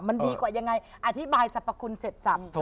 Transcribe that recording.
มันดีกว่ายังไงอธิบายสรรพคุณเสร็จสับ